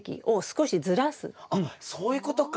あっそういうことか。